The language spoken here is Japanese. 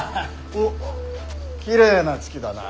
おっきれいな月だな。